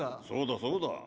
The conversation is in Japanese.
そうだそうだ。